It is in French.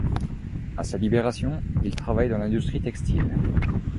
À sa libération, il travaille dans l'industrie textile.